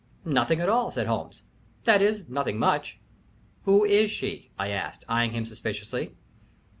"Nothing at all," said Holmes. "That is, nothing much." "Who is she?" I asked, eying him suspiciously.